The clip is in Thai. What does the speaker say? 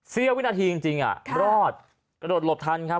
เสียวินาทีจริงจริงอ่ะรอดกระโดดหลบทันครับ